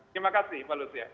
terima kasih pak lucia